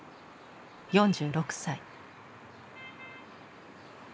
４６歳。